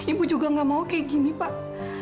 ibu juga gak mau kayak gini pak